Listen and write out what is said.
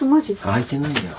あいてないよ。